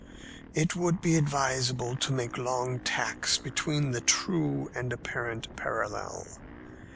It would be advisable to make long tacks between the true and apparent parallel.